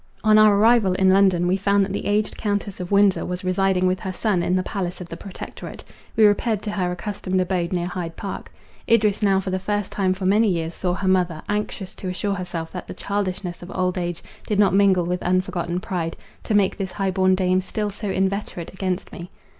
On our arrival in London, we found that the aged Countess of Windsor was residing with her son in the palace of the Protectorate; we repaired to our accustomed abode near Hyde Park. Idris now for the first time for many years saw her mother, anxious to assure herself that the childishness of old age did not mingle with unforgotten pride, to make this high born dame still so inveterate against me.